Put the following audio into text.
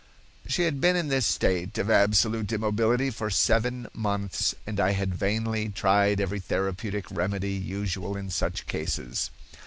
"She had been in this state of absolute immobility for seven months and I had vainly tried every therapeutic remedy usual in such cases.